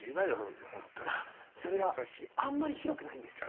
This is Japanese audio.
あんまり広くないんです。